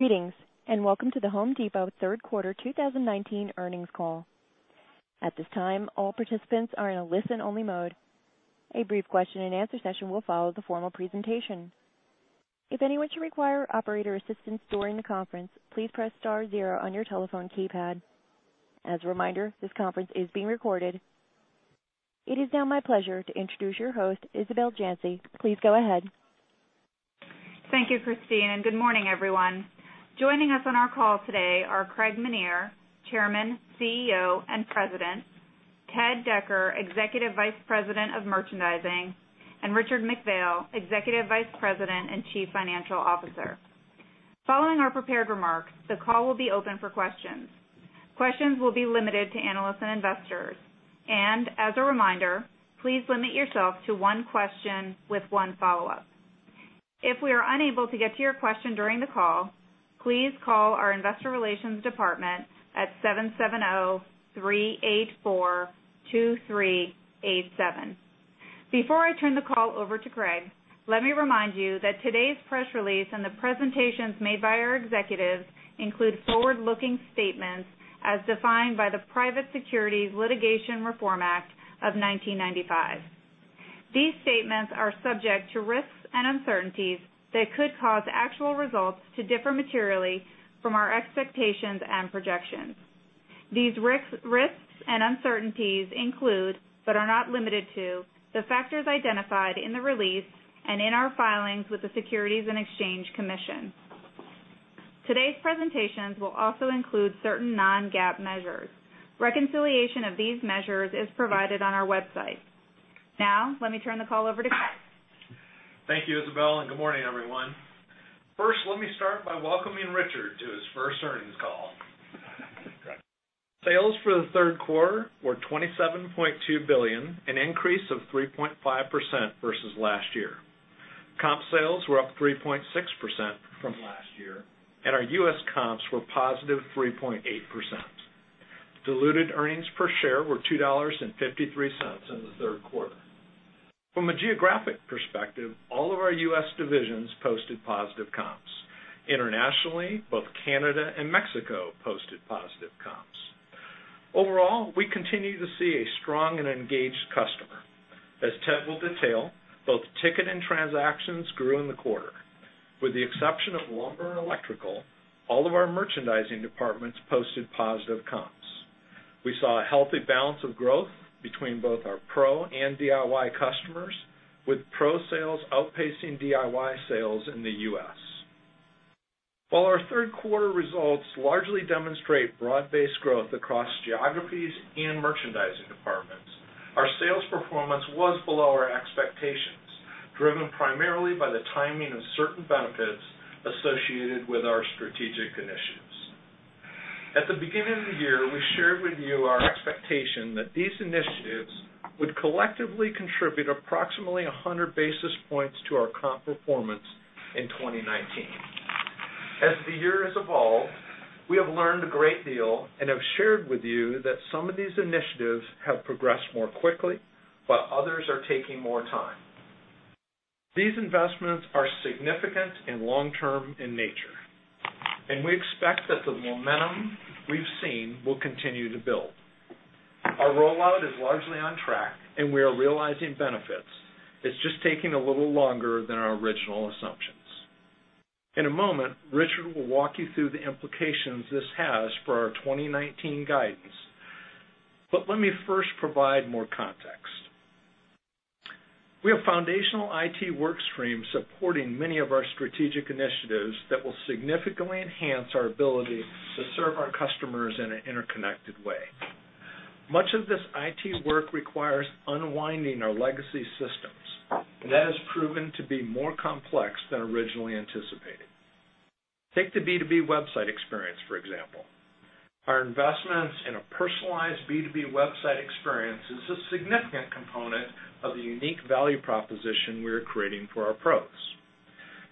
Greetings, and welcome to The Home Depot third quarter 2019 earnings call. At this time, all participants are in a listen-only mode. A brief question and answer session will follow the formal presentation. If anyone should require operator assistance during the conference, please press star zero on your telephone keypad. As a reminder, this conference is being recorded. It is now my pleasure to introduce your host, Isabel Janci. Please go ahead. Thank you, Christine. Good morning, everyone. Joining us on our call today are Craig Menear, Chairman, CEO, and President, Ted Decker, Executive Vice President of Merchandising, and Richard McPhail, Executive Vice President and Chief Financial Officer. Following our prepared remarks, the call will be open for questions. Questions will be limited to analysts and investors. As a reminder, please limit yourself to one question with one follow-up. If we are unable to get to your question during the call, please call our investor relations department at 770-384-2387. Before I turn the call over to Craig, let me remind you that today's press release and the presentations made by our executives include forward-looking statements as defined by the Private Securities Litigation Reform Act of 1995. These statements are subject to risks and uncertainties that could cause actual results to differ materially from our expectations and projections. These risks and uncertainties include, but are not limited to, the factors identified in the release and in our filings with the Securities and Exchange Commission. Today's presentations will also include certain non-GAAP measures. Reconciliation of these measures is provided on our website. Let me turn the call over to Craig. Thank you, Isabel. Good morning, everyone. First, let me start by welcoming Richard to his first earnings call. Sales for the third quarter were $27.2 billion, an increase of 3.5% versus last year. Comp sales were up 3.6% from last year, and our U.S. comps were positive 3.8%. Diluted earnings per share were $2.53 in the third quarter. From a geographic perspective, all of our U.S. divisions posted positive comps. Internationally, both Canada and Mexico posted positive comps. Overall, we continue to see a strong and engaged customer. As Ted will detail, both ticket and transactions grew in the quarter. With the exception of lumber and electrical, all of our merchandising departments posted positive comps. We saw a healthy balance of growth between both our Pro and DIY customers, with Pro sales outpacing DIY sales in the U.S. While our third quarter results largely demonstrate broad-based growth across geographies and merchandising departments, our sales performance was below our expectations, driven primarily by the timing of certain benefits associated with our strategic initiatives. At the beginning of the year, we shared with you our expectation that these initiatives would collectively contribute approximately 100 basis points to our comp performance in 2019. As the year has evolved, we have learned a great deal and have shared with you that some of these initiatives have progressed more quickly, but others are taking more time. These investments are significant and long-term in nature, and we expect that the momentum we've seen will continue to build. Our rollout is largely on track, and we are realizing benefits. It's just taking a little longer than our original assumptions. In a moment, Richard will walk you through the implications this has for our 2019 guidance, but let me first provide more context. We have foundational IT work streams supporting many of our strategic initiatives that will significantly enhance our ability to serve our customers in an interconnected way. Much of this IT work requires unwinding our legacy systems, and that has proven to be more complex than originally anticipated. Take the B2B website experience, for example. Our investments in a personalized B2B website experience is a significant component of the unique value proposition we are creating for our pros.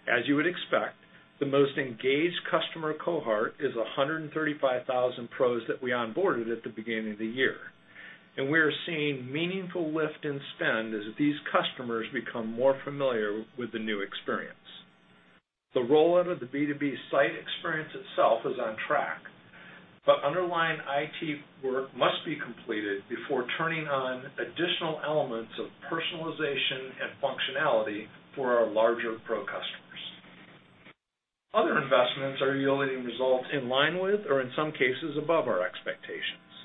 As you would expect, the most engaged customer cohort is 135,000 pros that we onboarded at the beginning of the year. We are seeing meaningful lift in spend as these customers become more familiar with the new experience. The rollout of the B2B site experience itself is on track, but underlying IT work must be completed before turning on additional elements of personalization and functionality for our larger pro customers. Other investments are yielding results in line with or in some cases above our expectations.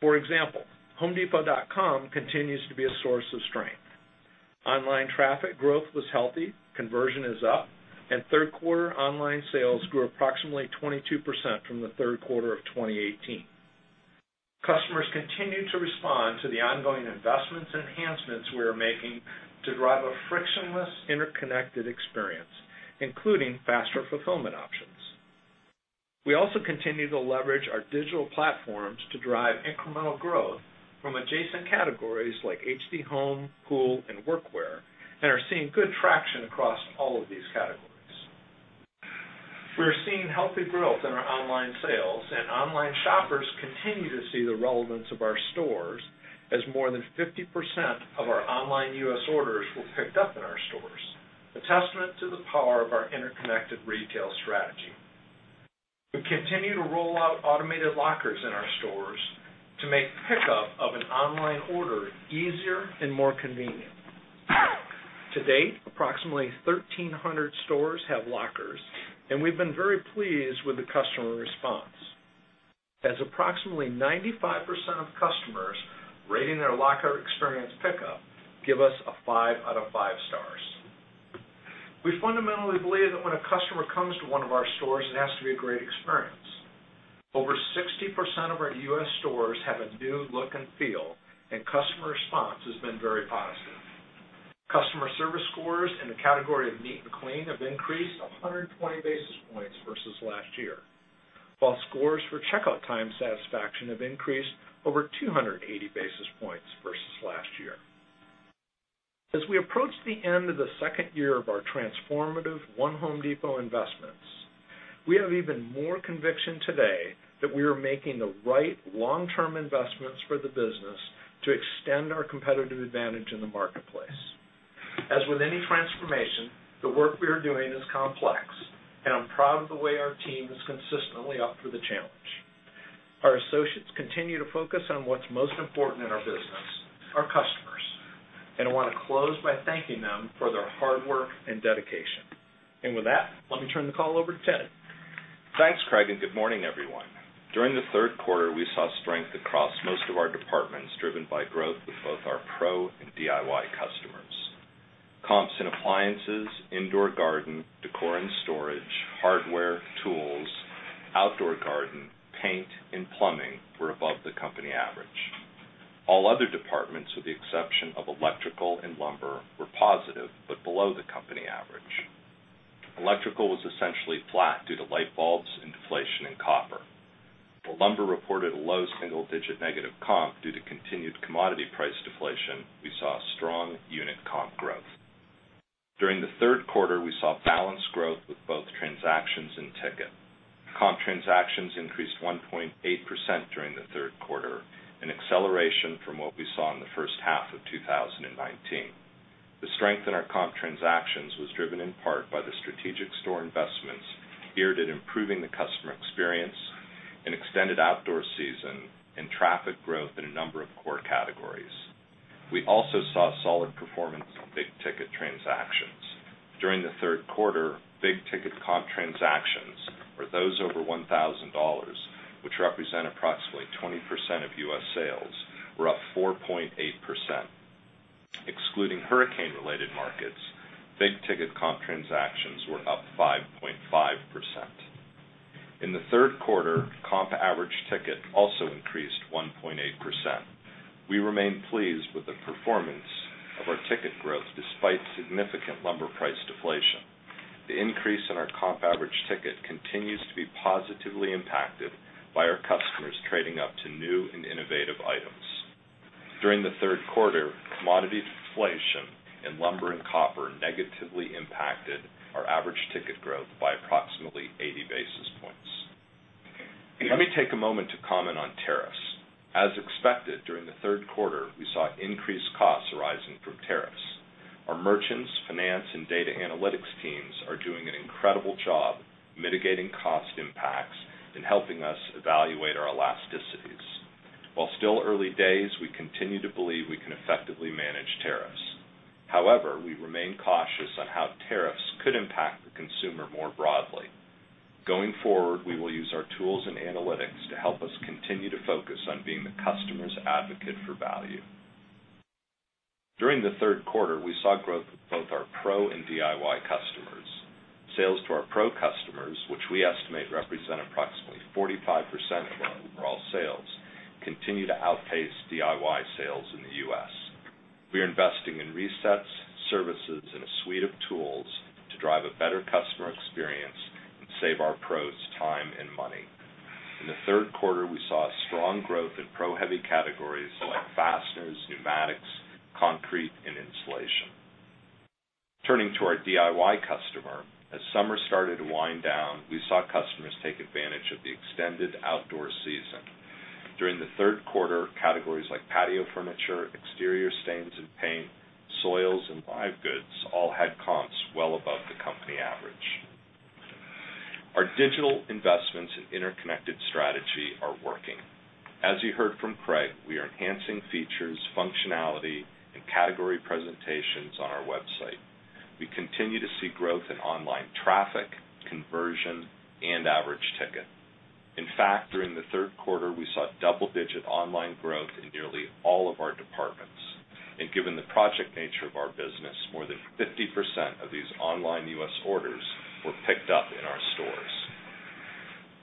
For example, homedepot.com continues to be a source of strength. Online traffic growth was healthy, conversion is up, and third quarter online sales grew approximately 22% from the third quarter of 2018. Customers continue to respond to the ongoing investments and enhancements we are making to drive a frictionless, interconnected experience, including faster fulfillment options. We also continue to leverage our digital platforms to drive incremental growth from adjacent categories like HD Home, Pool, and Workwear, and are seeing good traction across all of these categories. We are seeing healthy growth in our online sales. Online shoppers continue to see the relevance of our stores. As more than 50% of our online U.S. orders were picked up in our stores, a testament to the power of our interconnected retail strategy. We continue to roll out automated lockers in our stores to make pickup of an online order easier and more convenient. To date, approximately 1,300 stores have lockers. We've been very pleased with the customer response. Approximately 95% of customers rating their locker experience pickup give us a five out of five stars. We fundamentally believe that when a customer comes to one of our stores, it has to be a great experience. Over 60% of our U.S. stores have a new look and feel. Customer response has been very positive. Customer service scores in the category of neat and clean have increased 120 basis points versus last year. While scores for checkout time satisfaction have increased over 280 basis points versus last year. As we approach the end of the second year of our transformative One Home Depot investments, we have even more conviction today that we are making the right long-term investments for the business to extend our competitive advantage in the marketplace. As with any transformation, the work we are doing is complex, and I'm proud of the way our team has consistently upped to the challenge. Our associates continue to focus on what's most important in our business, our customers, and I want to close by thanking them for their hard work and dedication. With that, let me turn the call over to Ted. Thanks, Craig. Good morning, everyone. During the third quarter, we saw strength across most of our departments, driven by growth with both our Pro and DIY customers. Comps in appliances, indoor garden, decor and storage, hardware, tools, outdoor garden, paint, and plumbing were above the company average. All other departments, with the exception of electrical and lumber, were positive but below the company average. Electrical was essentially flat due to light bulbs and deflation in copper. While lumber reported a low single-digit negative comp due to continued commodity price deflation, we saw strong unit comp growth. During the third quarter, we saw balanced growth with both transactions and ticket. Comp transactions increased 1.8% during the third quarter, an acceleration from what we saw in the first half of 2019. The strength in our comp transactions was driven in part by the strategic store investments geared at improving the customer experience, an extended outdoor season, and traffic growth in a number of core categories. We also saw solid performance in big-ticket transactions. During the third quarter, big ticket comp transactions, or those over $1,000, which represent approximately 20% of U.S. sales, were up 4.8%. Excluding hurricane-related markets, big ticket comp transactions were up 5.5%. In the third quarter, comp average ticket also increased 1.8%. We remain pleased with the performance of our ticket growth despite significant lumber price deflation. The increase in our comp average ticket continues to be positively impacted by our customers trading up to new and innovative items. During the third quarter, commodity deflation in lumber and copper negatively impacted our average ticket growth by approximately 80 basis points. Let me take a moment to comment on tariffs. As expected, during the third quarter, we saw increased costs arising from tariffs. Our merchants, finance, and data analytics teams are doing an incredible job mitigating cost impacts and helping us evaluate our elasticities. While still early days, we continue to believe we can effectively manage tariffs. However, we remain cautious on how tariffs could impact the consumer more broadly. Going forward, we will use our tools and analytics to help us continue to focus on being the customer's advocate for value. During the third quarter, we saw growth with both our Pro and DIY customers. Sales to our Pro customers, which we estimate represent approximately 45% of our overall sales, continue to outpace DIY sales in the U.S. We are investing in resets, services, and a suite of tools to drive a better customer experience and save our Pros time and money. In the third quarter, we saw strong growth in Pro-heavy categories like fasteners, pneumatics, concrete, and insulation. Turning to our DIY customer, as summer started to wind down, we saw customers take advantage of the extended outdoor season. During the third quarter, categories like patio furniture, exterior stains and paint, soils, and live goods all had comps well above the company average. Our digital investments and interconnected strategy are working. As you heard from Craig, we are enhancing features, functionality, and category presentations on our website. We continue to see growth in online traffic, conversion, and average ticket. In fact, during the third quarter, we saw double-digit online growth in nearly all of our departments. Given the project nature of our business, more than 50% of these online U.S. orders were picked up in our stores.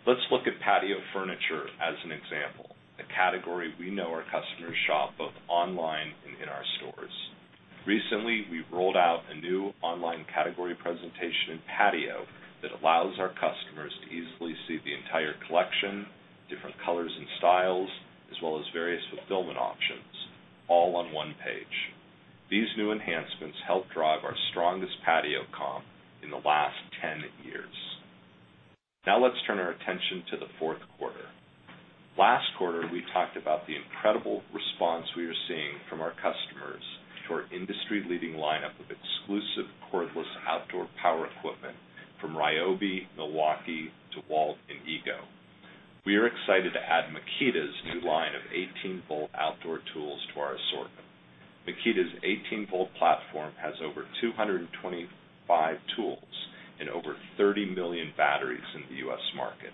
Let's look at patio furniture as an example, a category we know our customers shop both online and in our stores. Recently, we rolled out a new online category presentation in patio that allows our customers to easily see the entire collection, different colors and styles, as well as various fulfillment options all on one page. These new enhancements helped drive our strongest patio comp in the last 10 years. Let's turn our attention to the fourth quarter. Last quarter, we talked about the incredible response we are seeing from our customers to our industry-leading lineup of exclusive cordless outdoor power equipment from RYOBI, Milwaukee, DEWALT, and EGO. We are excited to add Makita's new line of 18-volt outdoor tools to our assortment. Makita's 18-volt platform has over 225 tools and over 30 million batteries in the U.S. market.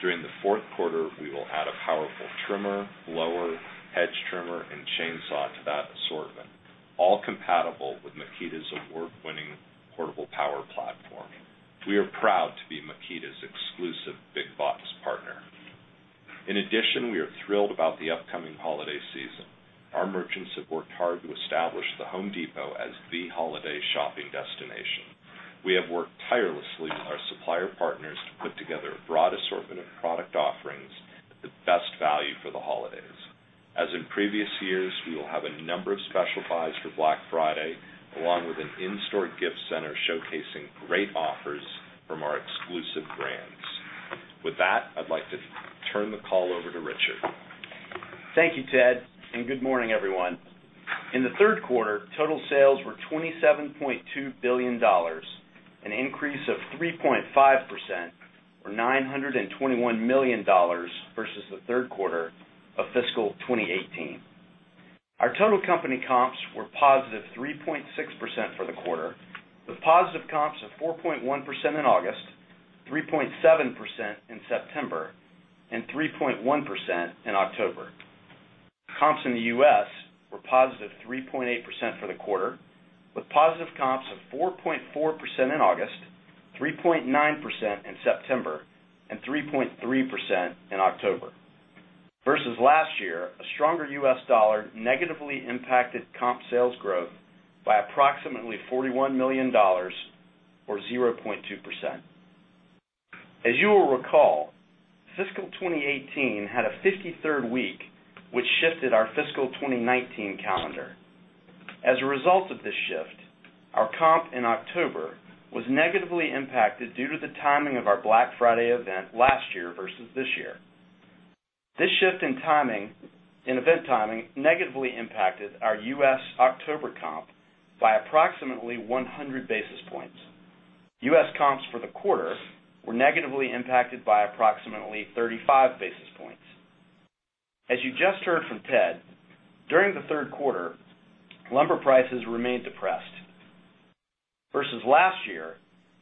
During the fourth quarter, we will add a powerful trimmer, blower, hedge trimmer, and chainsaw to that assortment, all compatible with Makita's award-winning portable power platform. We are proud to be Makita's exclusive big box partner. In addition, we are thrilled about the upcoming holiday season. Our merchants have worked hard to establish The Home Depot as the holiday shopping destination. We have worked tirelessly with our supplier partners to put together a broad assortment of product offerings at the best value for the holidays. As in previous years, we will have a number of special buys for Black Friday, along with an in-store gift center showcasing great offers from our exclusive brands. With that, I'd like to turn the call over to Richard. Thank you, Ted. Good morning, everyone. In the third quarter, total sales were $27.2 billion, an increase of 3.5%, or $921 million versus the third quarter of fiscal 2018. Our total company comps were positive 3.6% for the quarter, with positive comps of 4.1% in August, 3.7% in September, and 3.1% in October. Comps in the U.S. were positive 3.8% for the quarter, with positive comps of 4.4% in August, 3.9% in September, and 3.3% in October. Versus last year, a stronger U.S. dollar negatively impacted comp sales growth by approximately $41 million, or 0.2%. As you will recall, fiscal 2018 had a 53rd week, which shifted our fiscal 2019 calendar. As a result of this shift, our comp in October was negatively impacted due to the timing of our Black Friday event last year versus this year. This shift in event timing negatively impacted our U.S. October comp by approximately 100 basis points. U.S. comps for the quarter were negatively impacted by approximately 35 basis points. As you just heard from Ted, during the third quarter, lumber prices remained depressed. Versus last year,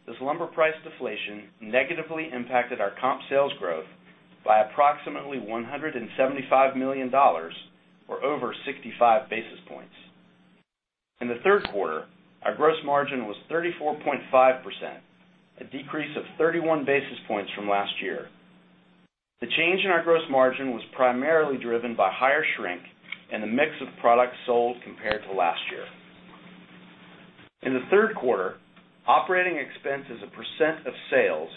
this lumber price deflation negatively impacted our comp sales growth by approximately $175 million, or over 65 basis points. In the third quarter, our gross margin was 34.5%, a decrease of 31 basis points from last year. The change in our gross margin was primarily driven by higher shrink and the mix of products sold compared to last year. In the third quarter, operating expense as a percent of sales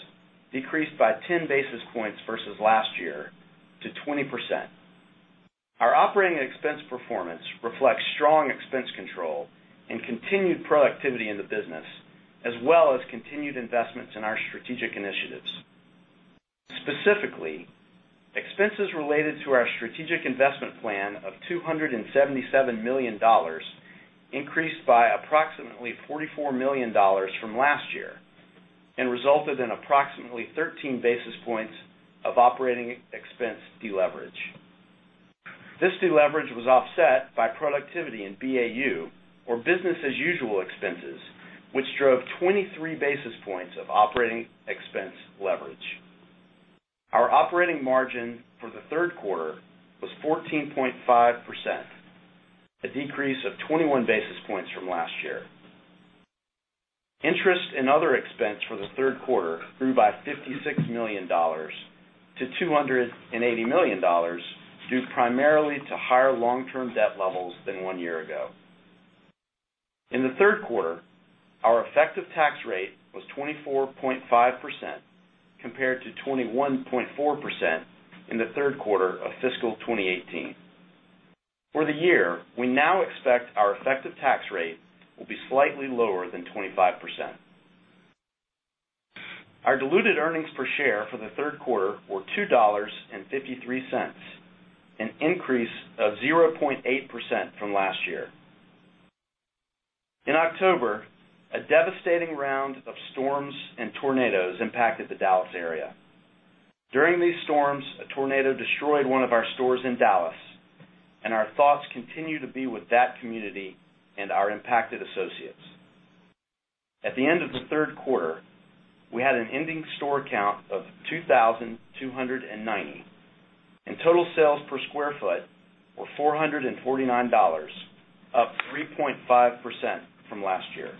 decreased by 10 basis points versus last year to 20%. Our operating expense performance reflects strong expense control and continued productivity in the business, as well as continued investments in our strategic initiatives. Specifically, expenses related to our strategic investment plan of $277 million increased by approximately $44 million from last year and resulted in approximately 13 basis points of operating expense deleverage. This deleverage was offset by productivity in BAU, or business as usual expenses, which drove 23 basis points of operating expense leverage. Our operating margin for the third quarter was 14.5%, a decrease of 21 basis points from last year. Interest and other expense for the third quarter grew by $56 million to $280 million, due primarily to higher long-term debt levels than one year ago. In the third quarter, our effective tax rate was 24.5%, compared to 21.4% in the third quarter of fiscal 2018. For the year, we now expect our effective tax rate will be slightly lower than 25%. Our diluted earnings per share for the third quarter were $2.53, an increase of 0.8% from last year. In October, a devastating round of storms and tornadoes impacted the Dallas area. During these storms, a tornado destroyed one of our stores in Dallas, and our thoughts continue to be with that community and our impacted associates. At the end of the third quarter, we had an ending store count of 2,290, and total sales per square foot were $449, up 3.5% from last year.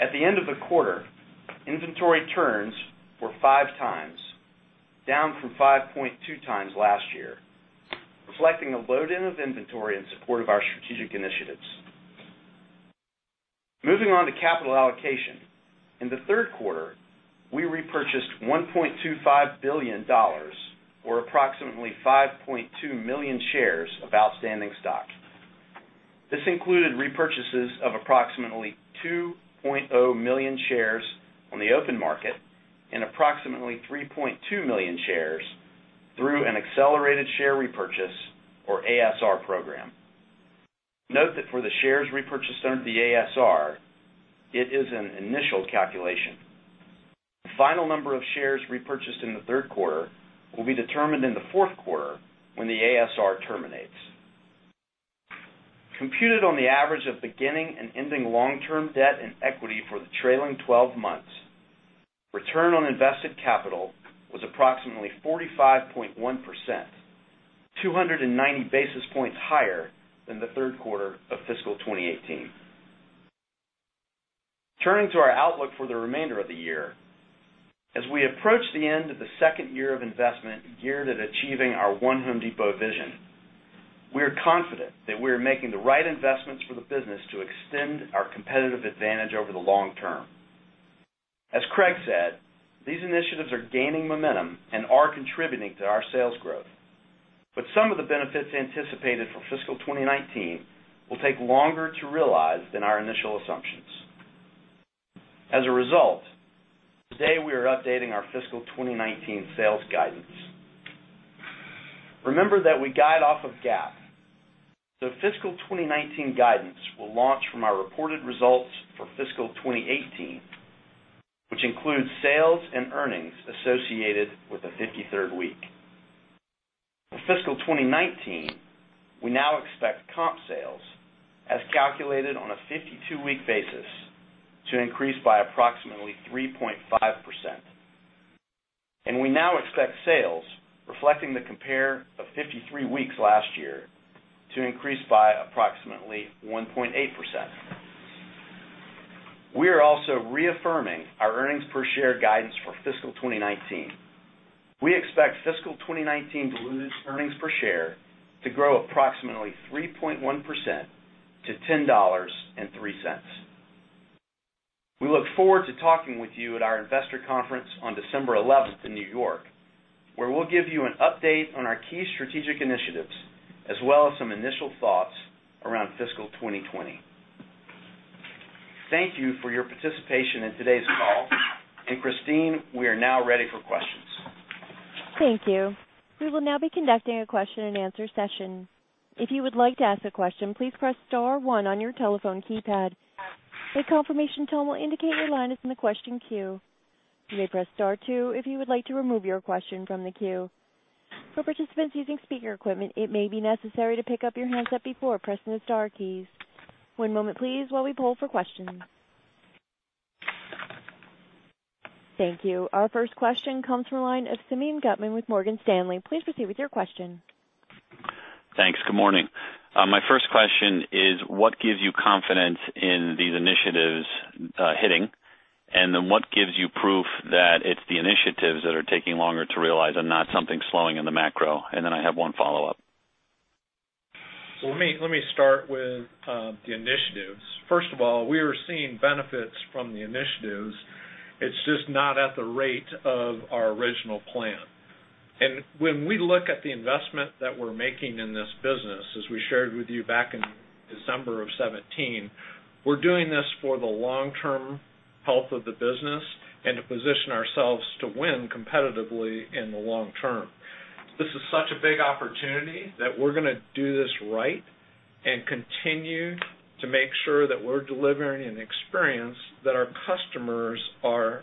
At the end of the quarter, inventory turns were five times, down from 5.2x last year, reflecting a load in of inventory in support of our strategic initiatives. Moving on to capital allocation. In the third quarter, we repurchased $1.25 billion, or approximately 5.2 million shares of outstanding stock. This included repurchases of approximately 2.0 million shares on the open market and approximately 3.2 million shares through an accelerated share repurchase or ASR program. Note that for the shares repurchased under the ASR, it is an initial calculation. The final number of shares repurchased in the third quarter will be determined in the fourth quarter when the ASR terminates. Computed on the average of beginning and ending long-term debt and equity for the trailing 12 months, return on invested capital was approximately 45.1%, 290 basis points higher than the third quarter of fiscal 2018. Turning to our outlook for the remainder of the year, as we approach the end of the second year of investment geared at achieving our One Home Depot vision, we are confident that we are making the right investments for the business to extend our competitive advantage over the long term. As Craig said, these initiatives are gaining momentum and are contributing to our sales growth. Some of the benefits anticipated for fiscal 2019 will take longer to realize than our initial assumptions. As a result, today we are updating our fiscal 2019 sales guidance. Remember that we guide off of GAAP. Fiscal 2019 guidance will launch from our reported results for fiscal 2018, which includes sales and earnings associated with the 53rd week. For fiscal 2019, we now expect comp sales as calculated on a 52-week basis to increase by approximately 3.5%. We now expect sales reflecting the compare of 53 weeks last year to increase by approximately 1.8%. We are also reaffirming our earnings per share guidance for fiscal 2019. We expect fiscal 2019 diluted earnings per share to grow approximately 3.1% to $10.03. We look forward to talking with you at our investor conference on December 11th in New York, where we'll give you an update on our key strategic initiatives, as well as some initial thoughts around fiscal 2020. Thank you for your participation in today's call. Christine, we are now ready for questions. Thank you. We will now be conducting a question-and-answer session. If you would like to ask a question, please press star one on your telephone keypad. A confirmation tone will indicate your line is in the question queue. You may press star two if you would like to remove your question from the queue. For participants using speaker equipment, it may be necessary to pick up your handset before pressing the star keys. One moment please while we poll for questions. Thank you. Our first question comes from the line of Simeon Gutman with Morgan Stanley. Please proceed with your question. Thanks. Good morning. My first question is what gives you confidence in these initiatives hitting? What gives you proof that it's the initiatives that are taking longer to realize and not something slowing in the macro? I have one follow-up. Let me start with the initiatives. First of all, we are seeing benefits from the initiatives. It's just not at the rate of our original plan. When we look at the investment that we're making in this business, as we shared with you back in December of 2017, we're doing this for the long-term health of the business and to position ourselves to win competitively in the long term. This is such a big opportunity that we're going to do this right and continue to make sure that we're delivering an experience that our customers are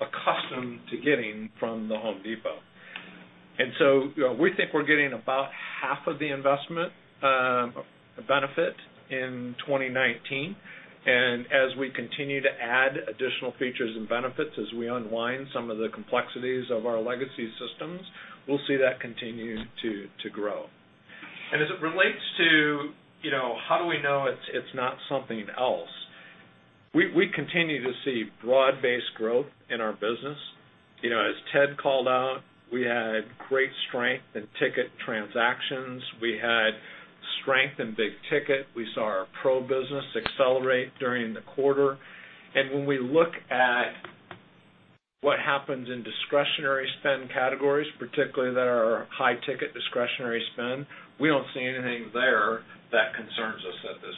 accustomed to getting from The Home Depot. We think we're getting about half of the investment benefit in 2019, and as we continue to add additional features and benefits as we unwind some of the complexities of our legacy systems, we'll see that continue to grow. As it relates to how do we know it's not something else, we continue to see broad-based growth in our business. As Ted called out, we had great strength in ticket transactions. We had strength in big ticket. We saw our Pro business accelerate during the quarter. When we look at what happens in discretionary spend categories, particularly that are high-ticket discretionary spend, we don't see anything there that concerns us at this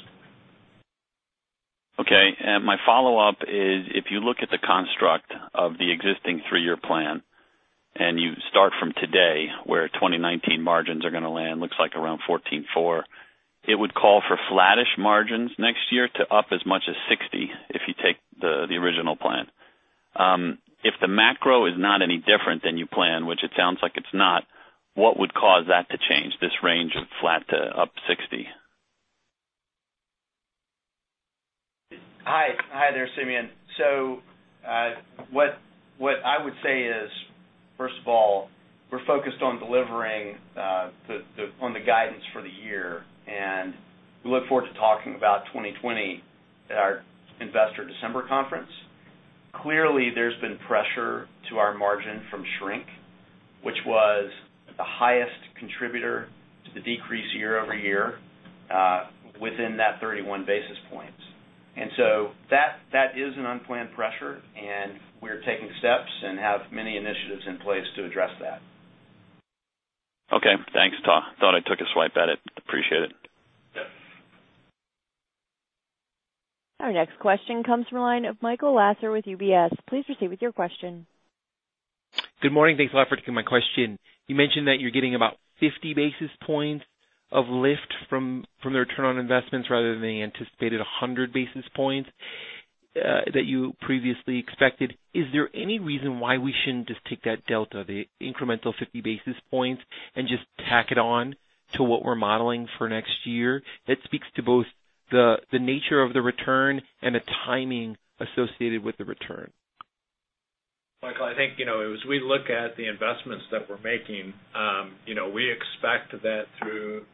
point. Okay. My follow-up is, if you look at the construct of the existing three-year plan, and you start from today where 2019 margins are going to land, looks like around 14.4%, it would call for flattish margins next year to up as much as 60 basis points if you take the original plan. If the macro is not any different than you plan, which it sounds like it's not, what would cause that to change, this range of flat to up 60 basis points? Hi there, Simeon. What I would say is, first of all, we're focused on delivering on the guidance for the year, and we look forward to talking about 2020 at our investor December conference. Clearly, there's been pressure to our margin from shrink, which was the highest contributor to the decrease year-over-year within that 31 basis points. That is an unplanned pressure, and we're taking steps and have many initiatives in place to address that. Okay. Thanks. Thought I'd take a swipe at it. Appreciate it. Our next question comes from the line of Michael Lasser with UBS. Please proceed with your question. Good morning. Thanks a lot for taking my question. You mentioned that you're getting about 50 basis points of lift from the return on investments rather than the anticipated 100 basis points that you previously expected. Is there any reason why we shouldn't just take that delta, the incremental 50 basis points, and just tack it on to what we're modeling for next year? That speaks to both the nature of the return and the timing associated with the return. Michael, I think, as we look at the investments that we're making, we expect that through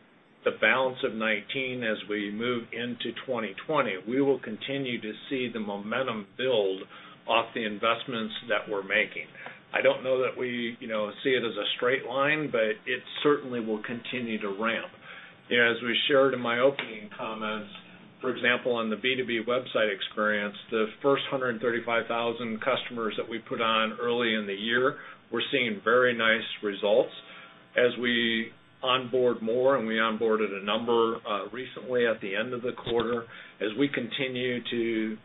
the balance of 2019 as we move into 2020, we will continue to see the momentum build off the investments that we're making. I don't know that we see it as a straight line, it certainly will continue to ramp. As we shared in my opening comments, for example, on the B2B website experience, the first 135,000 customers that we put on early in the year, we're seeing very nice results. As we onboard more, we onboarded a number recently at the end of the quarter, as we continue to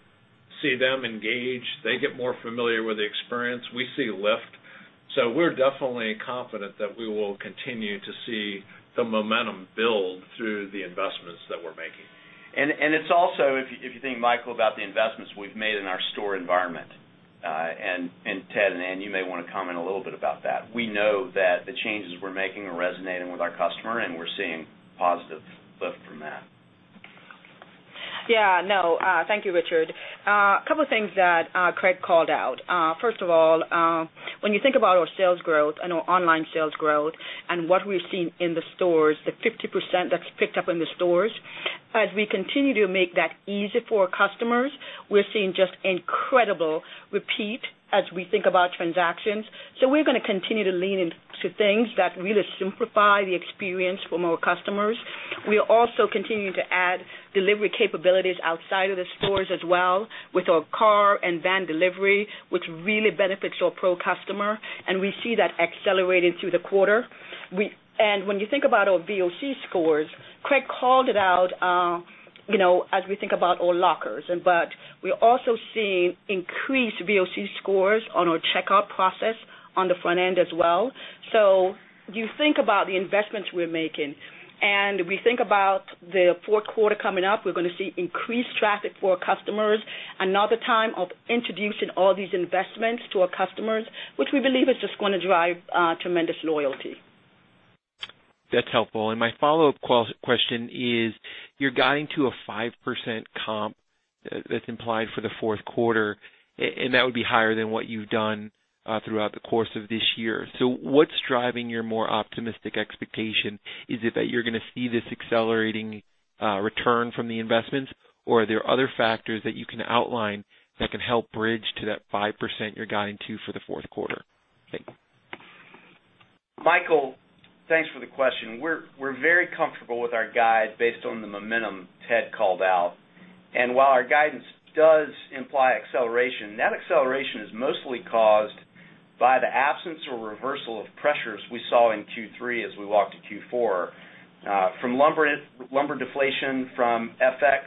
see them engage, they get more familiar with the experience, we see lift. We're definitely confident that we will continue to see the momentum build through the investments that we're making. It's also, if you think, Michael, about the investments we've made in our store environment, and Ted and Ann-Marie, you may want to comment a little bit about that. We know that the changes we're making are resonating with our customer, we're seeing positive lift from that. Yeah. No. Thank you, Richard. A couple things that Craig called out. First of all, when you think about our sales growth and our online sales growth and what we've seen in the stores, the 50% that's picked up in the stores, as we continue to make that easy for our customers, we're seeing just incredible repeat as we think about transactions. We're going to continue to lean into things that really simplify the experience for more customers. We are also continuing to add delivery capabilities outside of the stores as well with our car and van delivery, which really benefits our pro customer, and we see that accelerated through the quarter. When you think about our VOC scores, Craig called it out, as we think about our lockers. We're also seeing increased VOC scores on our checkout process on the front end as well. You think about the investments we're making, and we think about the fourth quarter coming up, we're going to see increased traffic for our customers. Another time of introducing all these investments to our customers, which we believe is just going to drive tremendous loyalty. That's helpful. My follow-up question is, you're guiding to a 5% comp that's implied for the fourth quarter, and that would be higher than what you've done throughout the course of this year. What's driving your more optimistic expectation? Is it that you're going to see this accelerating return from the investments, or are there other factors that you can outline that can help bridge to that 5% you're guiding to for the fourth quarter? Thank you. Michael, thanks for the question. We're very comfortable with our guide based on the momentum Ted called out. While our guidance does imply acceleration, that acceleration is mostly caused by the absence or reversal of pressures we saw in Q3 as we walk to Q4 from lumber deflation, from FX,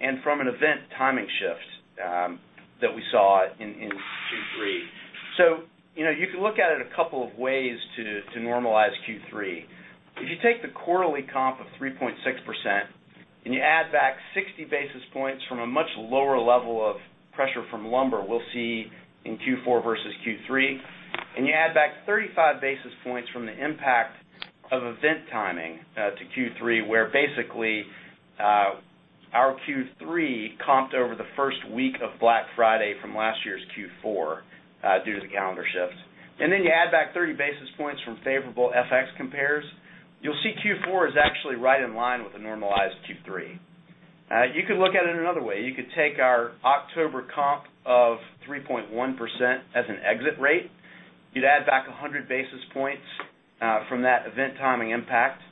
and from an event timing shift that we saw in Q3. You can look at it a couple of ways to normalize Q3. If you take the quarterly comp of 3.6% and you add back 60 basis points from a much lower level of pressure from lumber we'll see in Q4 versus Q3, and you add back 35 basis points from the impact of event timing to Q3, where basically our Q3 comped over the first week of Black Friday from last year's Q4 due to the calendar shift. You add back 30 basis points from favorable FX compares. You'll see Q4 is actually right in line with the normalized Q3. You could look at it another way. You could take our October comp of 3.1% as an exit rate. You'd add back 100 basis points from that event timing impact,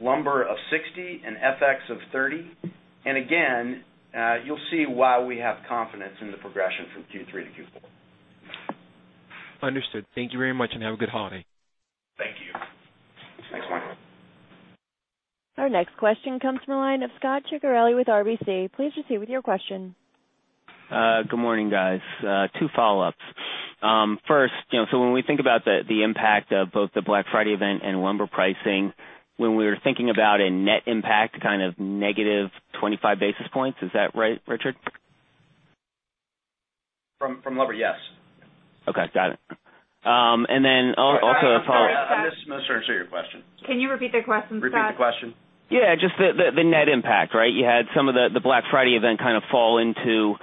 lumber of 60 and FX of 30. Again, you'll see why we have confidence in the progression from Q3 to Q4. Understood. Thank you very much. Have a good holiday. Thank you. Thanks, Michael. Our next question comes from the line of Scot Ciccarelli with RBC. Please proceed with your question. Good morning, guys. Two follow-ups. First, when we think about the impact of both the Black Friday event and lumber pricing, when we're thinking about a net impact, kind of -25 basis points, is that right, Richard? From lumber, yes. Okay. Got it. Also, a follow-up. Repeat the question. Yeah, just the net impact, right? You had some of the Black Friday event kind of fall into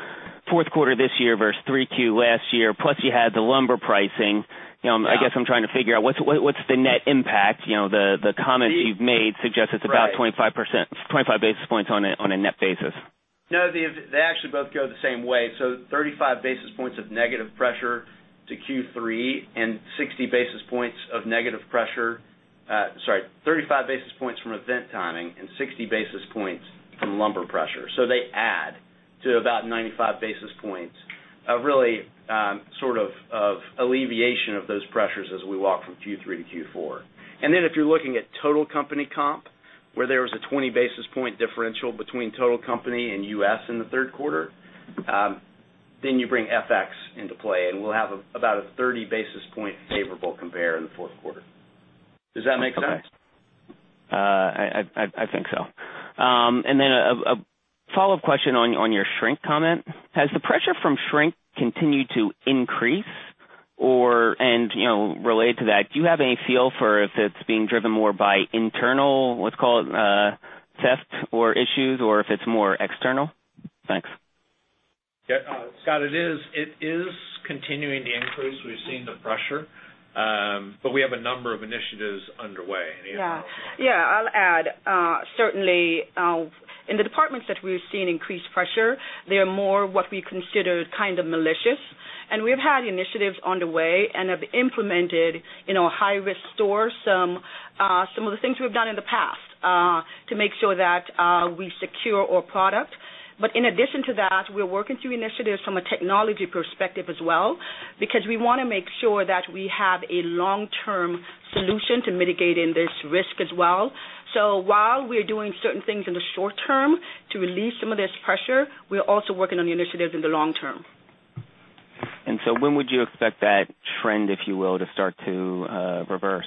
fourth quarter this year versus 3Q last year. Plus, you had the lumber pricing. I guess I'm trying to figure out what's the net impact. The comments you've made suggest it's about 25 basis points on a net basis. No, they actually both go the same way. 35 basis points of negative pressure to Q3 and 60 basis points of negative pressure. Sorry, 35 basis points from event timing and 60 basis points from lumber pressure. They add. To about 95 basis points, really sort of alleviation of those pressures as we walk from Q3 to Q4. If you're looking at total company comp, where there was a 20-basis point differential between total company and U.S. in the third quarter, you bring FX into play, and we'll have about a 30-basis point favorable compare in the fourth quarter. Does that make sense? Okay. I think so. Then a follow-up question on your shrink comment. Has the pressure from shrink continued to increase? Related to that, do you have any feel for if it's being driven more by internal, let's call it, theft or issues, or if it's more external? Thanks. Yeah. Scot, it is continuing to increase. We've seen the pressure. We have a number of initiatives underway. Yeah. I'll add, certainly, in the departments that we've seen increased pressure, they are more what we consider kind of malicious. And we've had initiatives underway and have implemented in our high-risk stores some of the things we've done in the past, to make sure that we secure our product. In addition to that, we're working through initiatives from a technology perspective as well, because we want to make sure that we have a long-term solution to mitigating this risk as well. While we're doing certain things in the short term to relieve some of this pressure, we're also working on the initiatives in the long term. When would you expect that trend, if you will, to start to reverse?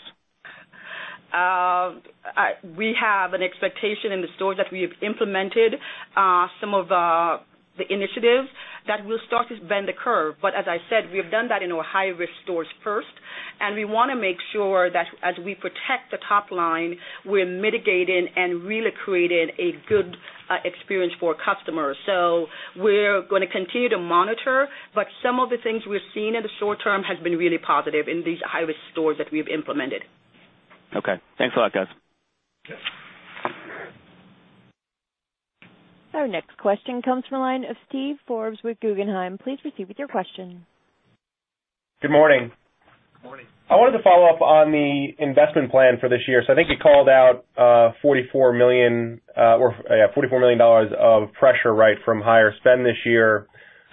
We have an expectation in the stores that we have implemented some of the initiatives that will start to bend the curve. As I said, we have done that in our high-risk stores first, and we want to make sure that as we protect the top line, we're mitigating and really creating a good experience for customers. We're going to continue to monitor, but some of the things we're seeing in the short term has been really positive in these high-risk stores that we've implemented. Okay. Thanks a lot, guys. Our next question comes from the line of Steve Forbes with Guggenheim. Please proceed with your question. Good morning. Morning. I wanted to follow up on the investment plan for this year. I think you called out $44 million of pressure from higher spend this year.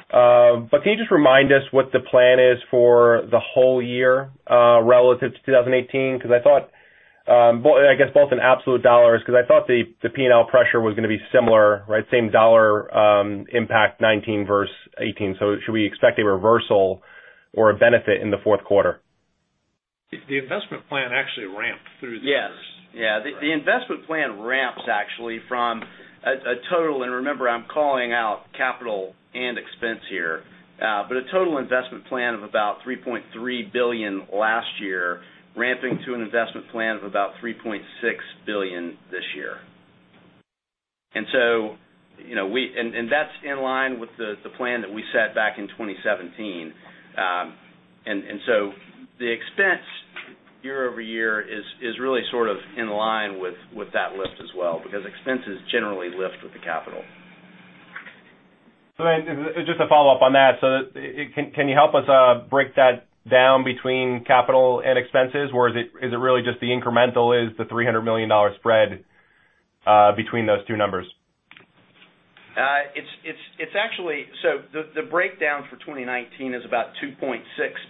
Can you just remind us what the plan is for the whole year, relative to 2018? Because I thought, I guess both in absolute dollars, because I thought the P&L pressure was going to be similar, same dollar impact 2019 versus 2018. Should we expect a reversal or a benefit in the fourth quarter? The investment plan actually ramped through the years. Yes. The investment plan ramps actually from a total, and remember, I'm calling out capital and expense here. A total investment plan of about $3.3 billion last year, ramping to an investment plan of about $3.6 billion this year. That's in line with the plan that we set back in 2017. The expense year-over-year is really sort of in line with that lift as well, because expenses generally lift with the capital. Just a follow-up on that. Can you help us break that down between capital and expenses? Is it really just the incremental is the $300 million spread between those two numbers? The breakdown for 2019 is about $2.6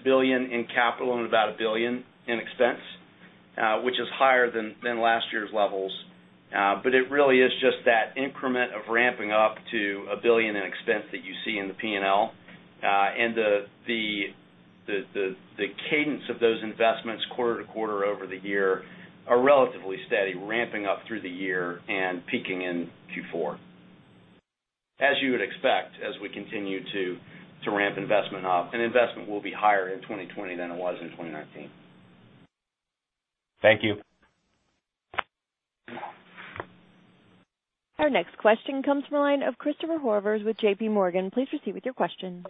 billion in capital and about $1 billion in expense, which is higher than last year's levels. It really is just that increment of ramping up to $1 billion in expense that you see in the P&L. The cadence of those investments quarter-to-quarter over the year are relatively steady, ramping up through the year and peaking in Q4. As you would expect, as we continue to ramp investment up, and investment will be higher in 2020 than it was in 2019. Thank you. Our next question comes from the line of Christopher Horvers with JPMorgan. Please proceed with your question.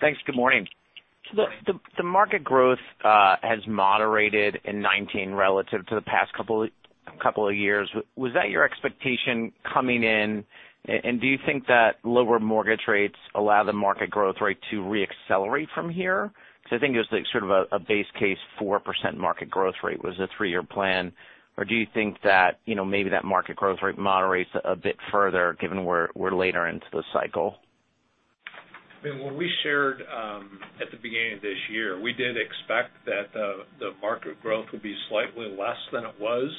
Thanks. Good morning. The market growth has moderated in 2019 relative to the past couple of years. Was that your expectation coming in? Do you think that lower mortgage rates allow the market growth rate to re-accelerate from here? I think it was like sort of a base case 4% market growth rate was the three-year plan. Do you think that maybe that market growth rate moderates a bit further given we're later into the cycle? When we shared at the beginning of this year, we did expect that the market growth would be slightly less than it was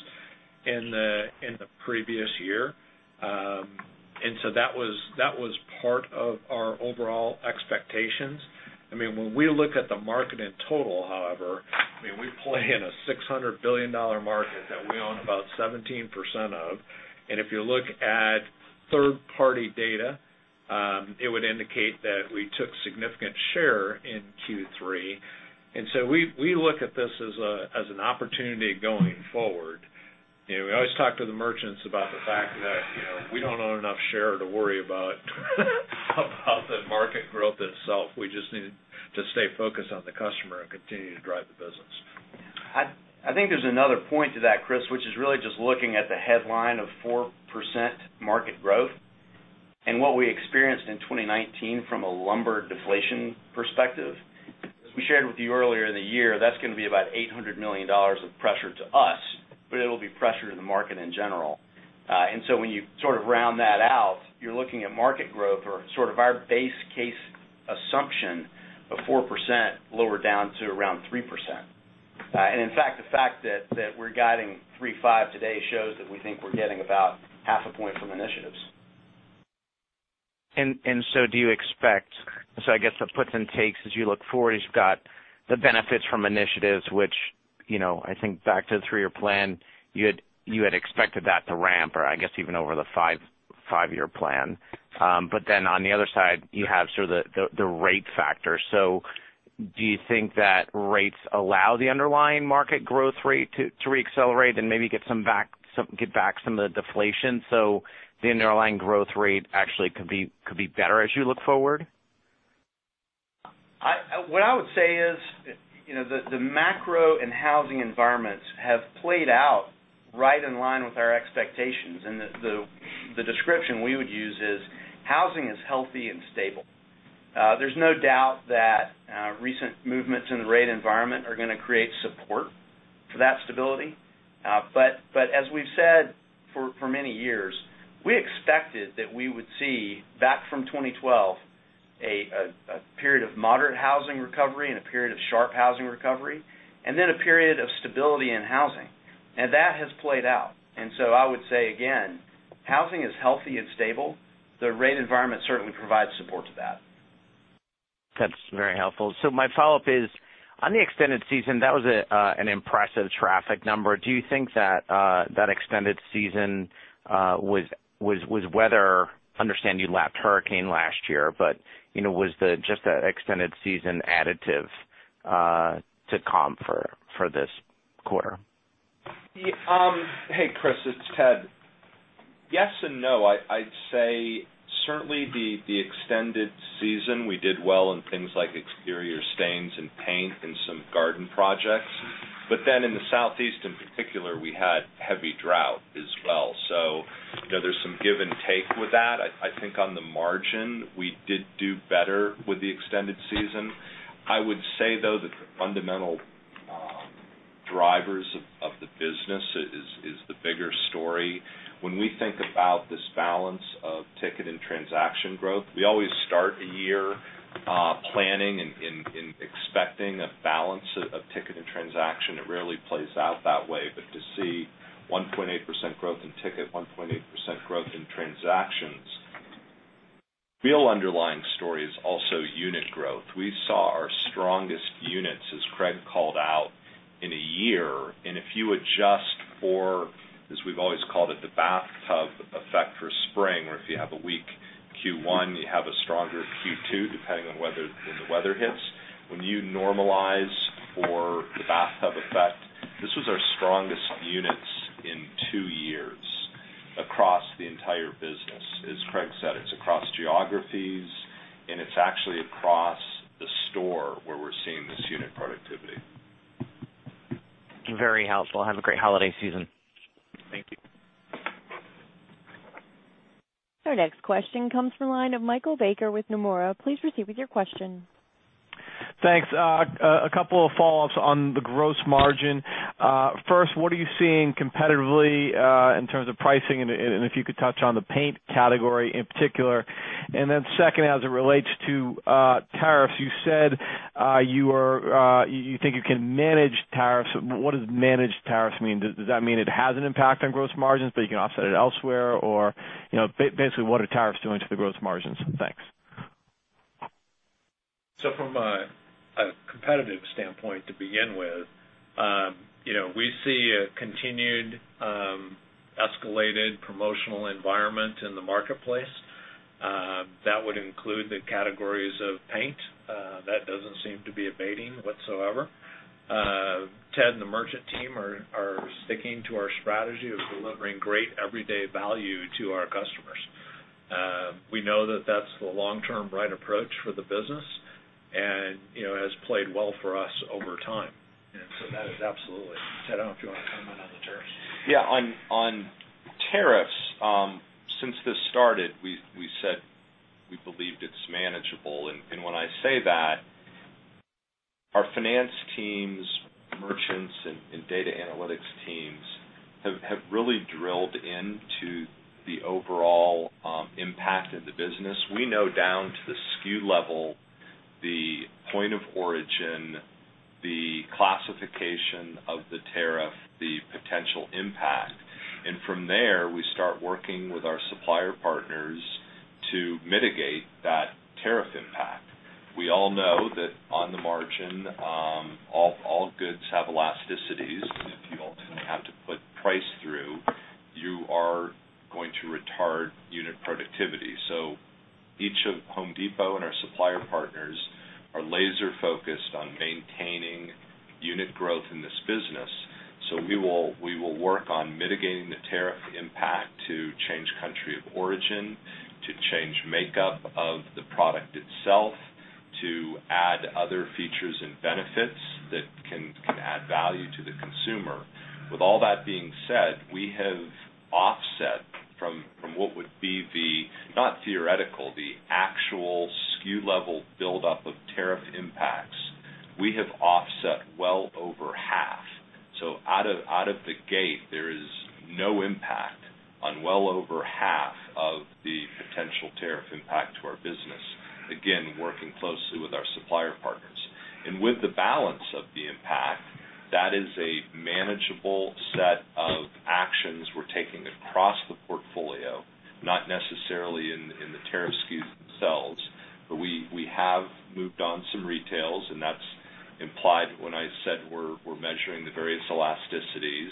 in the previous year. That was part of our overall expectations. When we look at the market in total, however, we play in a $600 billion market that we own about 17% of. If you look at third-party data, it would indicate that we took significant share in Q3. We look at this as an opportunity going forward. We always talk to the merchants about the fact that we don't own enough share to worry about the market growth itself. We just need to stay focused on the customer and continue to drive the business. I think there's another point to that, Chris, which is really just looking at the headline of 4% market growth, and what we experienced in 2019 from a lumber deflation perspective. We shared with you earlier in the year, that's going to be about $800 million of pressure to us, but it'll be pressure to the market in general. When you sort of round that out, you're looking at market growth or sort of our base case assumption of 4% lower down to around 3%. In fact, the fact that we're guiding 3.5% today shows that we think we're getting about half a point from initiatives. I guess it puts and takes as you look forward, you've got the benefits from initiatives which, I think back to the three-year plan, you had expected that to ramp or I guess even over the five-year plan. On the other side, you have sort of the rate factor. Do you think that rates allow the underlying market growth rate to re-accelerate and maybe get back some of the deflation so the underlying growth rate actually could be better as you look forward? What I would say is the macro and housing environments have played out right in line with our expectations. The description we would use is housing is healthy and stable. There's no doubt that recent movements in the rate environment are going to create support for that stability. As we've said for many years, we expected that we would see back from 2012, a period of moderate housing recovery and a period of sharp housing recovery, and then a period of stability in housing. That has played out. I would say again, housing is healthy and stable. The rate environment certainly provides support to that. That's very helpful. My follow-up is on the extended season, that was an impressive traffic number. Do you think that extended season was, understand you lapped hurricane last year, but was just the extended season additive to comp for this quarter? Hey, Chris, it's Ted. Yes and no. I'd say certainly the extended season, we did well in things like exterior stains and paint and some garden projects. In the Southeast in particular, we had heavy drought as well. There's some give and take with that. I think on the margin, we did do better with the extended season. I would say, though, the fundamental drivers of the business is the bigger story. When we think about this balance of ticket and transaction growth, we always start a year planning and expecting a balance of ticket and transaction. It rarely plays out that way, but to see 1.8% growth in ticket, 1.8% growth in transactions. Real underlying story is also unit growth. We saw our strongest units, as Craig called out, in a year. If you adjust for, as we've always called it, the bathtub effect for spring, where if you have a weak Q1, you have a stronger Q2, depending on when the weather hits. When you normalize for the bathtub effect, this was our strongest units in two years across the entire business. As Craig said, it's across geographies, and it's actually across the store where we're seeing this unit productivity. Very helpful. Have a great holiday season. Our next question comes from the line of Michael Baker with Nomura. Please proceed with your question. Thanks. A couple of follow-ups on the gross margin. First, what are you seeing competitively, in terms of pricing, and if you could touch on the paint category in particular? Second, as it relates to tariffs, you said you think you can manage tariffs. What does manage tariffs mean? Does that mean it has an impact on gross margins, but you can offset it elsewhere? Basically, what are tariffs doing to the gross margins? Thanks. From a competitive standpoint to begin with, we see a continued, escalated promotional environment in the marketplace. That would include the categories of paint. That doesn't seem to be abating whatsoever. Ted and the merchant team are sticking to our strategy of delivering great everyday value to our customers. We know that that's the long-term right approach for the business and has played well for us over time. That is absolutely. Ted, I don't know if you want to comment on the tariffs. Yeah. On tariffs, since this started, we said we believed it's manageable. When I say that, our finance teams, merchants, and data analytics teams have really drilled into the overall impact of the business. We know down to the SKU level, the point of origin, the classification of the tariff, the potential impact. From there, we start working with our supplier partners to mitigate that tariff impact. We all know that on the margin, all goods have elasticities. If you ultimately have to put price through, you are going to retard unit productivity. Each of The Home Depot and our supplier partners are laser-focused on maintaining unit growth in this business. We will work on mitigating the tariff impact to change country of origin, to change makeup of the product itself, to add other features and benefits add value to the consumer. With all that being said, we have offset from what would be the, not theoretical, the actual SKU level buildup of tariff impacts, we have offset well over half. Out of the gate, there is no impact on well over half of the potential tariff impact to our business. Again, working closely with our supplier partners. With the balance of the impact, that is a manageable set of actions we're taking across the portfolio, not necessarily in the tariff SKUs themselves, but we have moved on some retails, and that's implied when I said we're measuring the various elasticities.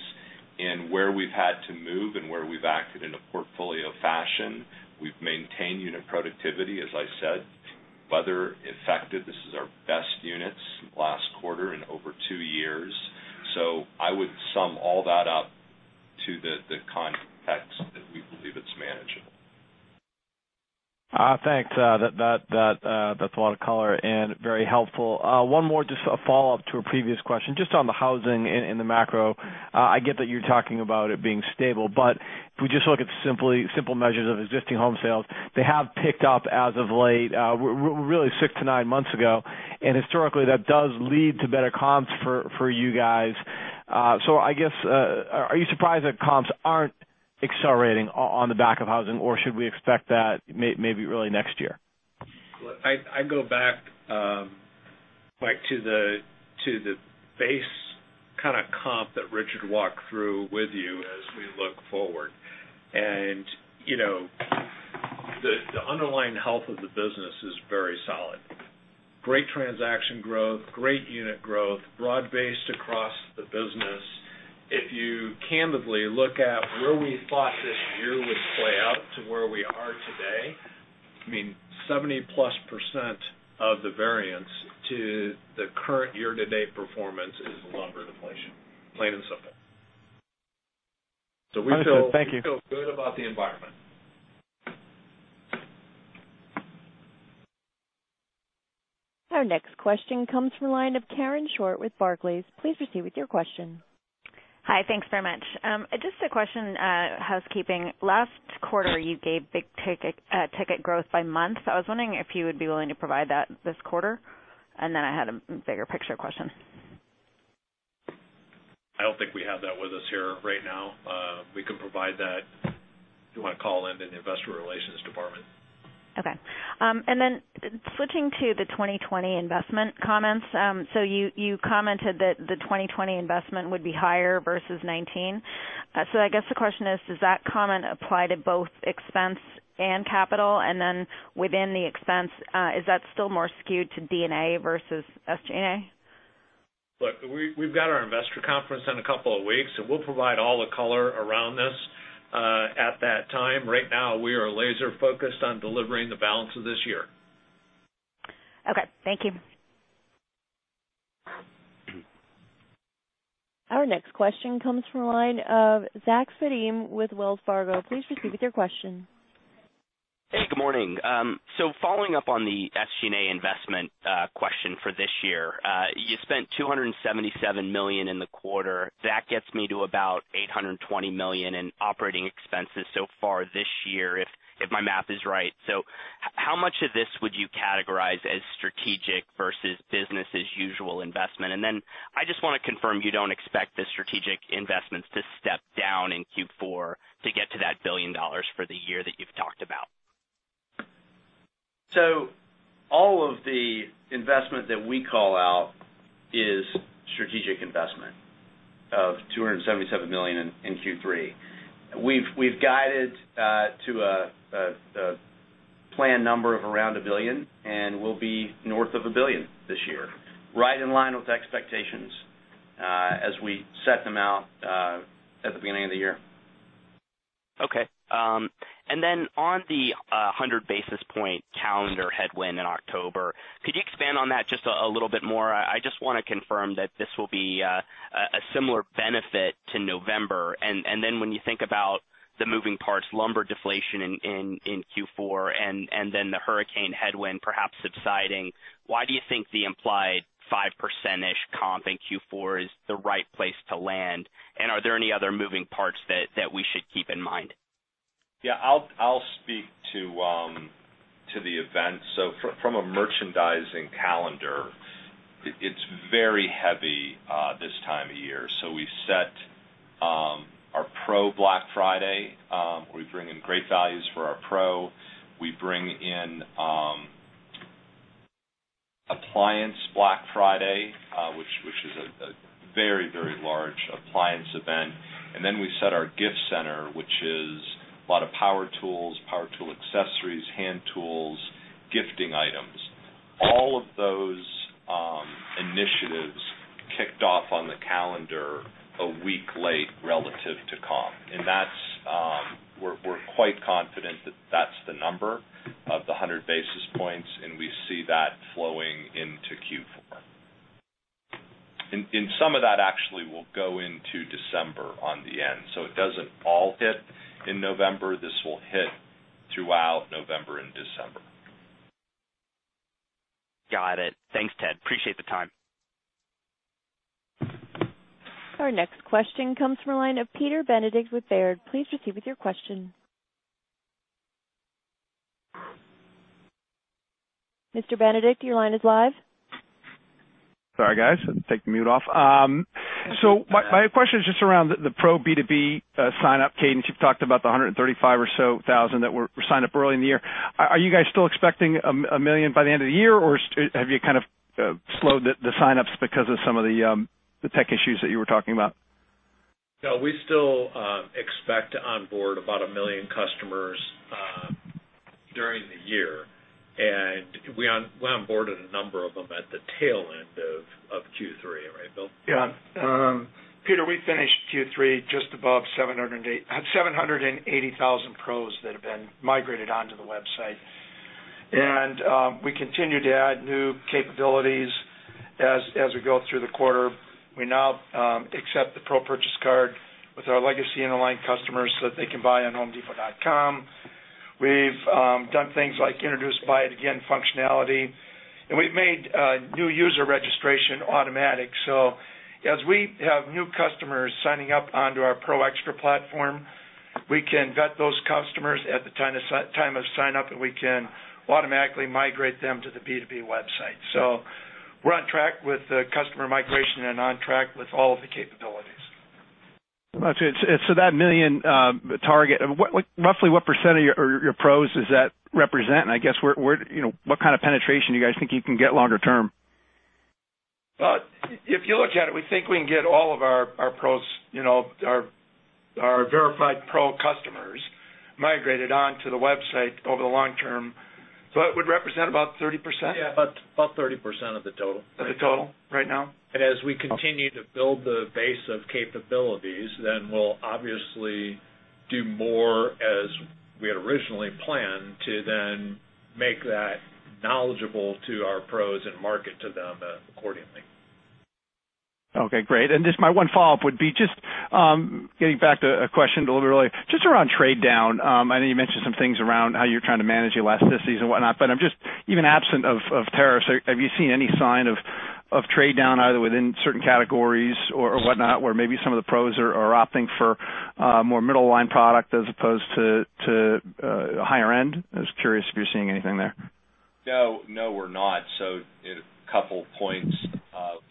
Where we've had to move and where we've acted in a portfolio fashion, we've maintained unit productivity, as I said. Weather affected. This is our best units last quarter in over two years. I would sum all that up to the context that we believe it's manageable. Thanks. That's a lot of color and very helpful. One more, just a follow-up to a previous question, just on the housing and the macro. I get that you're talking about it being stable, but if we just look at simple measures of existing home sales, they have picked up as of late. We're really six to nine months ago, and historically, that does lead to better comps for you guys. I guess, are you surprised that comps aren't accelerating on the back of housing, or should we expect that maybe early next year? Look, I go back to the base comp that Richard walked through with you as we look forward. The underlying health of the business is very solid. Great transaction growth, great unit growth, broad-based across the business. If you candidly look at where we thought this year would play out to where we are today, 70+% of the variance to the current year-to-date performance is lumber deflation, plain and simple. Understood. Thank you. We feel good about the environment. Our next question comes from the line of Karen Short with Barclays. Please proceed with your question. Hi, thanks very much. Just a question, housekeeping. Last quarter, you gave big ticket growth by month. I was wondering if you would be willing to provide that this quarter. I had a bigger picture question. I don't think we have that with us here right now. We could provide that if you want to call in to the investor relations department. Okay. Switching to the 2020 investment comments. You commented that the 2020 investment would be higher versus 2019. I guess the question is, does that comment apply to both expense and capital? Within the expense, is that still more skewed to D&A versus SG&A? Look, we've got our investor conference in a couple of weeks, and we'll provide all the color around this at that time. Right now, we are laser-focused on delivering the balance of this year. Okay. Thank you. Our next question comes from the line of Zach Fadem with Wells Fargo. Please proceed with your question. Hey, good morning. Following up on the SG&A investment question for this year. You spent $277 million in the quarter. That gets me to about $820 million in operating expenses so far this year, if my math is right. How much of this would you categorize as strategic versus business as usual investment? I just want to confirm you don't expect the strategic investments to step down in Q4 to get to that $1 billion for the year that you've talked about. All of the investment that we call out is strategic investment of $277 million in Q3. We've guided to a planned number of around $1 billion, and we'll be north of $1 billion this year, right in line with expectations as we set them out at the beginning of the year. Okay. On the 100 basis point calendar headwind in October, could you expand on that just a little bit more? I just want to confirm that this will be a similar benefit to November. When you think about the moving parts, lumber deflation in Q4 and the hurricane headwind perhaps subsiding, why do you think the implied 5%-ish comp in Q4 is the right place to land? Are there any other moving parts that we should keep in mind? Yeah, I'll speak to the events. From a merchandising calendar, it's very heavy this time of year. We set our Pro Black Friday, where we bring in great values for our Pro. We bring in Appliance Black Friday, which is a very large appliance event. We set our gift center, which is a lot of power tools, power tool accessories, hand tools, gifting items. All of those initiatives kicked off on the calendar one week late relative to comp. We're quite confident that that's the number of the 100 basis points, and we see that flowing into Q4. Some of that actually will go into December on the end. It doesn't all hit in November. This will hit throughout November and December. Got it. Thanks, Ted. Appreciate the time. Our next question comes from the line of Peter Benedict with Baird. Please proceed with your question. Mr. Benedict, your line is live. Sorry, guys, had to take the mute off. My question is just around the Pro B2B sign-up cadence. You've talked about the 135,000 that were signed up early in the year. Are you guys still expecting 1 million by the end of the year, or have you kind of slowed the sign-ups because of some of the tech issues that you were talking about? No, we still expect to onboard about 1 million customers during the year. We onboarded a number of them at the tail end of Q3, right, Bill? Yeah. Peter, we finished Q3 just above 780,000 Pros that have been migrated onto the website. We continue to add new capabilities as we go through the quarter. We now accept the Pro purchase card with our legacy and aligned customers so that they can buy on homedepot.com. We've done things like introduce buy it again functionality. We've made new user registration automatic. As we have new customers signing up onto our Pro Xtra platform, we can vet those customers at the time of sign up, and we can automatically migrate them to the B2B website. We're on track with the customer migration and on track with all of the capabilities. Got you. That 1 million target, roughly what percent of your pros does that represent? I guess, what kind of penetration you guys think you can get longer term? If you look at it, we think we can get all of our Pros, our verified Pro customers, migrated onto the website over the long term. It would represent about 30%. Yeah, about 30% of the total. Of the total right now? As we continue to build the base of capabilities, then we'll obviously do more as we had originally planned to then make that knowledgeable to our Pros and market to them accordingly. Okay, great. Just my one follow-up would be just getting back to a question little bit earlier, just around trade down. I know you mentioned some things around how you're trying to manage elasticities and whatnot, even absent of tariffs, have you seen any sign of trade down either within certain categories or whatnot, where maybe some of the pros are opting for more middle line product as opposed to higher end? I was curious if you're seeing anything there. No, we're not. A couple points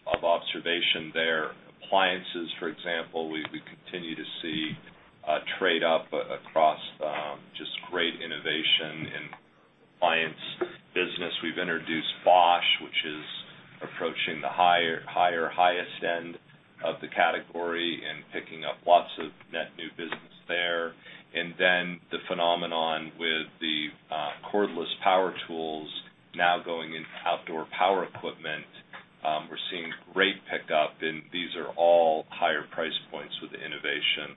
of observation there. Appliances, for example, we continue to see trade up across just great innovation in appliance business. We've introduced Bosch, which is approaching the highest end of the category and picking up lots of net new business there. The phenomenon with the cordless power tools now going into outdoor power equipment. We're seeing great pickup, and these are all higher price points with the innovation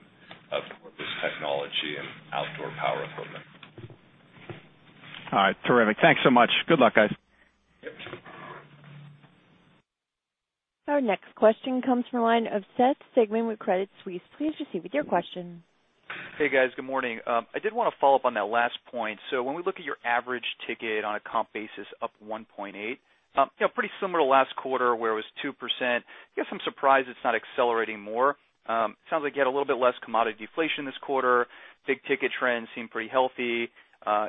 of cordless technology and outdoor power equipment. All right, terrific. Thanks so much. Good luck, guys. Our next question comes from the line of Seth Sigman with Credit Suisse. Please proceed with your question. Hey, guys. Good morning. I did want to follow up on that last point. When we look at your average ticket on a comp basis up 1.8%, pretty similar to last quarter where it was 2%. Guess I'm surprised it's not accelerating more. Sounds like you had a little bit less commodity deflation this quarter. Big-ticket trends seem pretty healthy.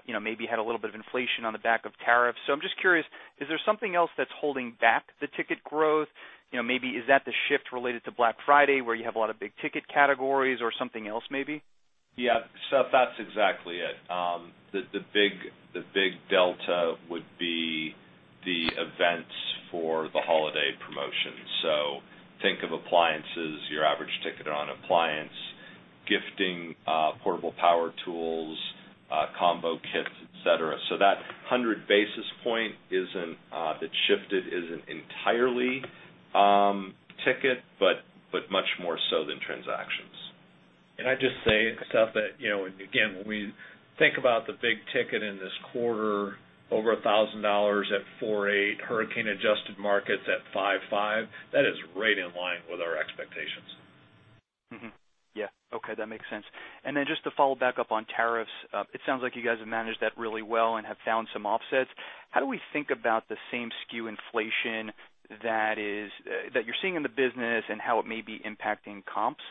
Maybe had a little bit of inflation on the back of tariffs. I'm just curious, is there something else that's holding back the ticket growth? Maybe is that the shift related to Black Friday where you have a lot of big-ticket categories or something else maybe? Yeah, Seth, that's exactly it. The big delta would be the events for the holiday promotions. Think of appliances, your average ticket on appliance, gifting, portable power tools, combo kits, et cetera. That 100 basis points that shifted isn't entirely ticket, but much more so than transactions. Can I just say, Seth, that, again, when we think about the big ticket in this quarter, over $1,000 at 4.8, hurricane-adjusted markets at 5.5, that is right in line with our expectations. Mm-hmm. Yeah. Okay, that makes sense. Just to follow back up on tariffs, it sounds like you guys have managed that really well and have found some offsets. How do we think about the same SKU inflation that you're seeing in the business and how it may be impacting comps?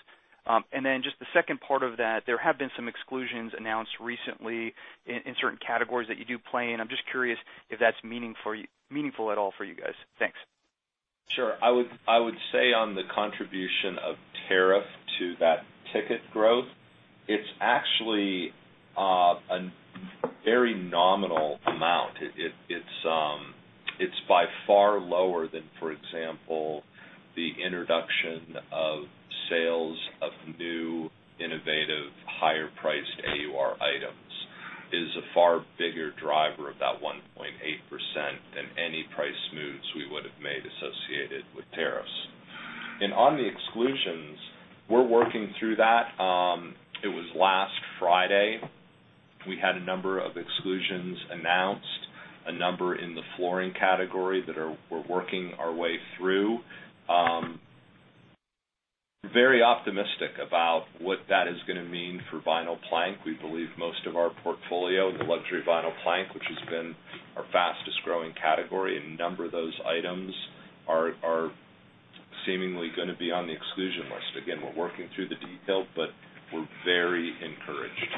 Just the second part of that, there have been some exclusions announced recently in certain categories that you do play in. I'm just curious if that's meaningful at all for you guys. Thanks. Sure. I would say on the contribution of tariff to that ticket growth, it's actually a very nominal amount. It's by far lower than, for example, the introduction of sales of new, innovative, higher-priced AUR items is a far bigger driver of that 1.8% than any price moves we would have made associated with tariffs. On the exclusions, we're working through that. It was last Friday. We had a number of exclusions announced, a number in the flooring category that we're working our way through. Very optimistic about what that is going to mean for vinyl plank. We believe most of our portfolio, the luxury vinyl plank, which has been our fastest-growing category, a number of those items are seemingly going to be on the exclusion list. Again, we're working through the detail, but we're very encouraged.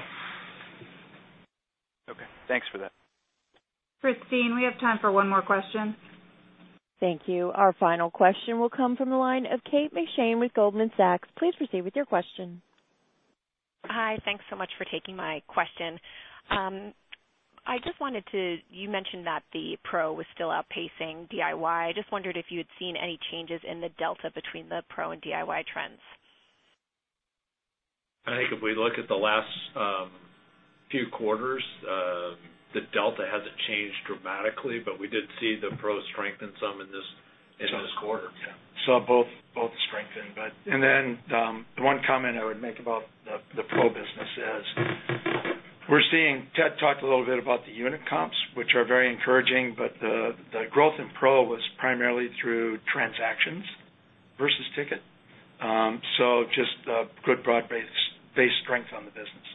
Okay. Thanks for that. Christine, we have time for one more question. Thank you. Our final question will come from the line of Kate McShane with Goldman Sachs. Please proceed with your question. Hi. Thanks so much for taking my question. You mentioned that the Pro was still outpacing DIY. I just wondered if you had seen any changes in the delta between the Pro and DIY trends. I think if we look at the last few quarters, the delta hasn't changed dramatically, but we did see the Pro strengthen some in this quarter. Yeah. Saw both strengthen. The one comment I would make about the Pro business is Ted talked a little bit about the unit comps, which are very encouraging, but the growth in Pro was primarily through transactions versus ticket. Just a good broad-based strength on the business.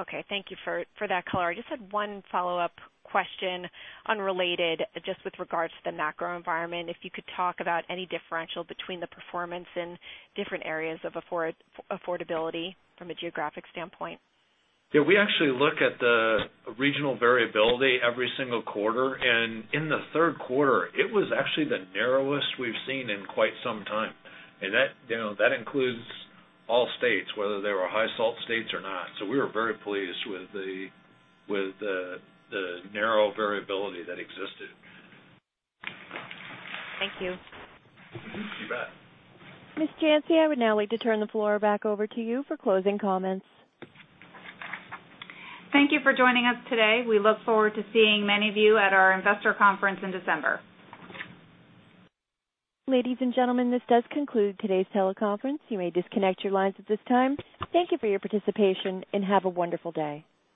Okay. Thank you for that color. I just had one follow-up question, unrelated, just with regards to the macro environment, if you could talk about any differential between the performance in different areas of affordability from a geographic standpoint. Yeah, we actually look at the regional variability every single quarter, and in the third quarter, it was actually the narrowest we've seen in quite some time. That includes all states, whether they were high SALT states or not. We were very pleased with the narrow variability that existed. Thank you. Ms. Janci, I would now like to turn the floor back over to you for closing comments. Thank you for joining us today. We look forward to seeing many of you at our investor conference in December. Ladies and gentlemen, this does conclude today's teleconference. You may disconnect your lines at this time. Thank you for your participation, and have a wonderful day.